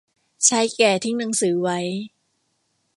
ชายแก่ทิ้งหนังสือไว้